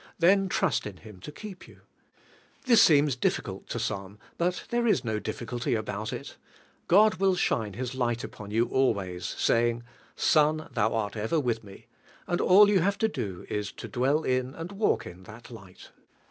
Then trust in Him to keep you. This seems difnrult to some; but there is no diliiiully nboul il. God will shine His lighl upon you always, saying, ■Sim, ilnnl art over with Me"; anil all vun have lo do is to dwell in and walk in that lighl.